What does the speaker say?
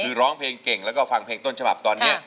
คือร้องเพลงเก่งแล้วก็ฟังเพลงต้นฉบับตอนนี้